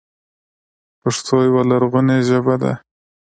پښتو يوه لرغونې ژبه ده.